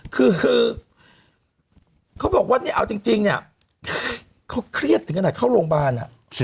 คือเขาบอกว่าเนี่ยเอาจริงเนี่ยเขาเครียดถึงขนาดเข้าโรงพยาบาล